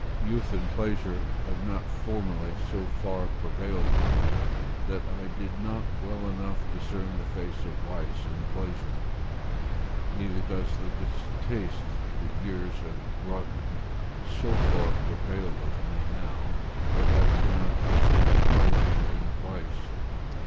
Youth and pleasure have not formerly so far prevailed with me, that I did not well enough discern the face of vice in pleasure; neither does the distaste that years have brought me, so far prevail with me now, that I cannot discern pleasure in vice.